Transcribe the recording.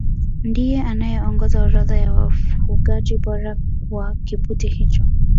Ndiye anayeongoza orodha ya wafungaji bora wa kipute hicho